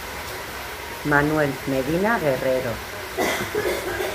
Manuel Medina Guerrero.